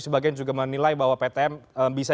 sebagian juga menilai bahwa ptm bisa